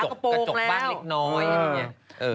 กระจกบ้างเล็กน้อย